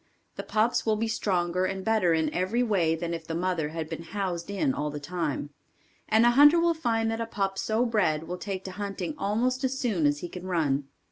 The pups will be stronger and better in every way than if the mother had been housed in all the time, and a hunter will find that a pup so bred will take to hunting almost as soon as he can run.